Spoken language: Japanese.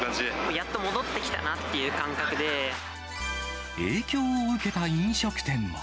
やっと戻って来たなっていう影響を受けた飲食店も。